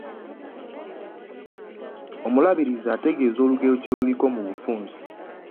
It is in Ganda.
Omuluubirizi ategeeze olugero kye luliko mu bufunze